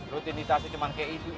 lo tindak tahu cuma kayak itu